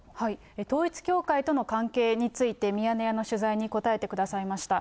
統一教会との関係について、ミヤネ屋の取材に答えてくださいました。